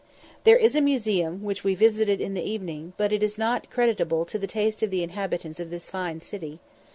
There is a museum, which we visited in the evening, but it is not creditable to the taste of the inhabitants of this fine city.